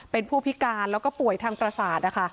เป็นผู้พิการแล้วก็ป่วยทางประสาทนะคะ